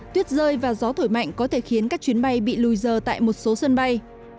tuyết rơi và gió thổi mạnh có thể khiến các chuyến bay bị lùi dờ tại một số sân bay